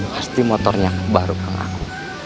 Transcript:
pasti motornya baru kang aku